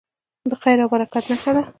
د خیر او برکت نښه ده.